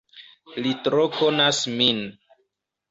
Li tro konas min.